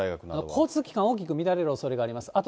交通機関、大きく乱れるおそれがあります。